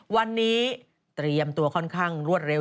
วันนี้เตรียมตัวค่อนข้างรวดเร็ว